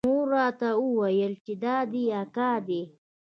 مور راته وويل چې دا دې اکا دى.